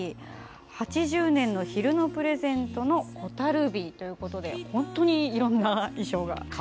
８０年の「ひるのプレゼント」の「蛍火」ということで本当にいろんな衣装があります。